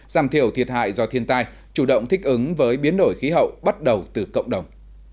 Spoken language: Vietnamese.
giảm thiểu thiệt hại do thiên tai chủ động thích ứng với biến đổi khí hậu bắt đầu từ cộng đồng